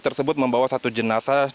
tersebut membawa satu jenazah